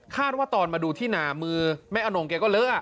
คาดว่าตอนมาดูที่นามือแม่อนงเนี่ยก็เลอะ